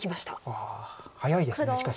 ああ早いですしかし。